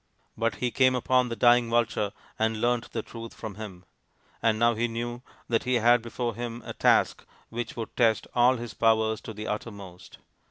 But he came upon the dying vulture and learnt the truth from him ; and now he knew that he had before him a task which would test all his powers to the uttermost.